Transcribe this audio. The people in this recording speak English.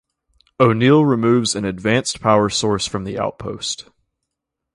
O'Neill removes an advanced power source from the outpost.